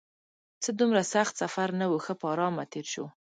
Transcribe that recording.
څه دومره سخت سفر نه و، ښه په ارامه تېر شو.